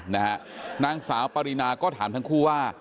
นางสาวปรินาก็ถามทั้งคู่ว่า